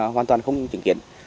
hoàn toàn không chứng kiến